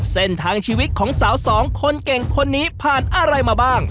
เส้นทางชีวิตของสาวสองคนเก่งคนนี้ผ่านอะไรมาบ้าง